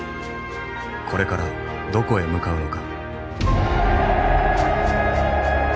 これからどこへ向かうのか。